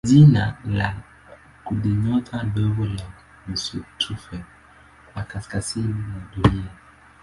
ni jina la kundinyota ndogo ya nusutufe ya kaskazini ya Dunia.